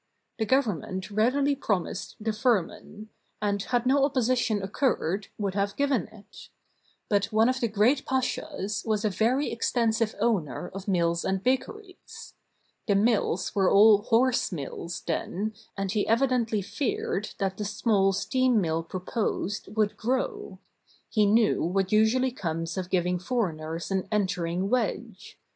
The Government readily promised the firman; and, had no opposition occurred, would have given it. But one of the great pashas was a very extensive owner of mills and bakeries. The mills were all horse mills then, and he evidently feared that the small steam mill proposed would grow. He knew what usually comes of giving foreigners an entering wedge.